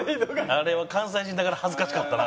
あれは関西人ながら恥ずかしかったな。